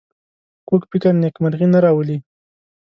کوږ فکر نېکمرغي نه راولي